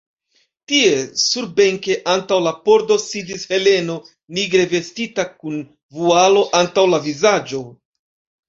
Tie, surbenke, antaŭ la pordo, sidis Heleno, nigre vestita, kun vualo antaŭ la vizaĝo.